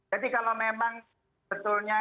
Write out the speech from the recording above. jadi kalau memang